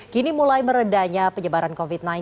kini mulai meredahnya penyebaran covid sembilan belas